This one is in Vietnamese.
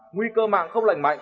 nguy cơ mạng không lành mạnh